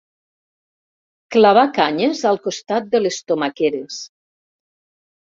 Clavar canyes al costat de les tomaqueres.